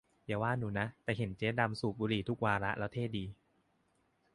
อย่าว่าหนูนะ แต่เห็นเจ๊ดำสูบบุหรี่ทุกวาระแล้วเท่ดี !